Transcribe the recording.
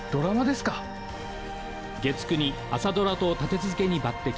「月９」に朝ドラと立て続けに抜てき